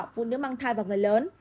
phụ nữ mang thai và người lớn